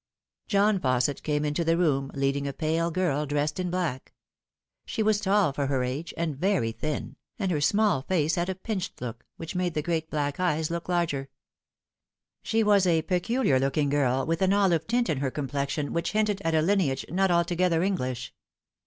John Fausset came into the room, leading a pale girl dressed in black. She was tall for her age, and very thin, and her small face had a pinched look, which made the great black eyes look larger. She was a peculiar looking girl, with an olive tint in her complexion which hinted at a lineage not altogether English.